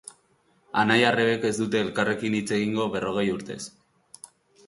Anai-arrebek ez dute elkarrekin hitz egingo berrogei urtez.